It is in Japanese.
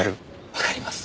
わかります。